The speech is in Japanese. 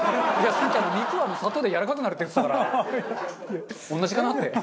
さっき肉は砂糖でやわらかくなるって言ってたから同じかなって。